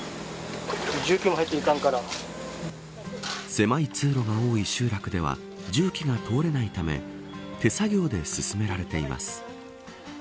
狭い通路が多い集落では重機が通れないため手作業で進められています。